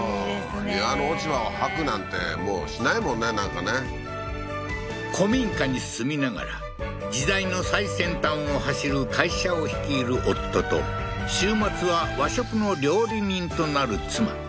庭の落ち葉を掃くなんてもうしないもんねなんかね古民家に住みながら時代の最先端を走る会社を率いる夫と週末は和食の料理人となる妻